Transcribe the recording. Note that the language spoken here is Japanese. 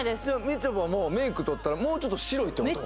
ちょぱもメイクとったらもうちょっと白いってこと？